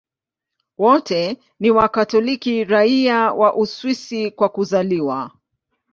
Wote ni Wakatoliki raia wa Uswisi kwa kuzaliwa.